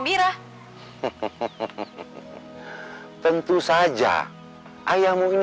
biarpun aku cari ke ujung negeri ini